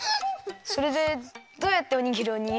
それでどうやっておにぎりをにぎるの？